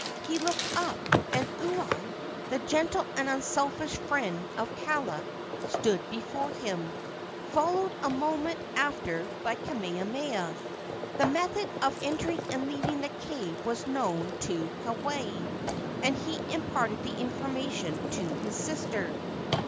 He looked up, and Ua, the gentle and unselfish friend of Kaala, stood before him, followed a moment after by Kamehameha. The method of entering and leaving the cave was known to Keawe, and he imparted the information to his sister.